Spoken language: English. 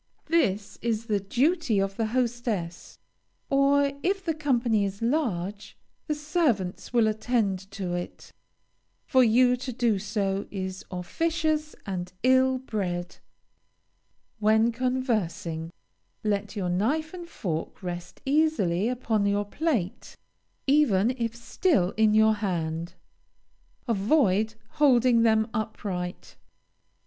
This is the duty of the hostess, or, if the company is large, the servants will attend to it. For you to do so is officious and ill bred. When conversing let your knife and fork rest easily upon your plate, even if still in your hand. Avoid holding them upright.